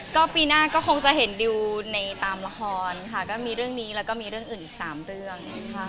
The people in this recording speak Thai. ก็ปีหน้าก็คงจะเห็นดิวในตามละครค่ะก็มีเรื่องนี้แล้วก็มีเรื่องอื่นอีก๓เรื่อง